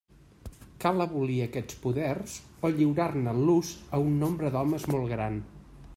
Cal abolir aquests poders o lliurar-ne l'ús a un nombre d'homes molt gran.